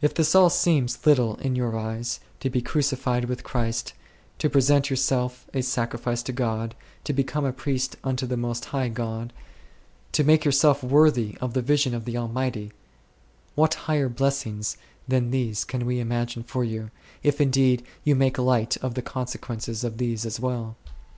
If this all seems little in your eyes, to be crucified with Christ, to present yourself a sacrifice to God, to become a priest unto the most high God, to make yourself worthy of the vision of the Al mighty, what higher blessings than these can we imagine for you, if indeed you make light of the consequences of these as well?